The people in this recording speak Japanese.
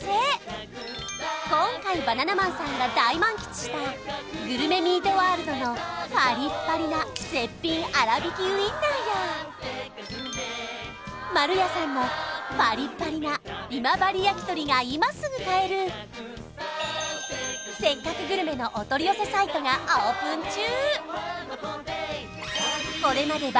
今回バナナマンさんが大満喫したグルメミートワールドのパリッパリな絶品あらびきウインナーやまる屋さんのパリッパリな今治焼鳥が今すぐ買えるせっかくグルメのお取り寄せサイトがオープン中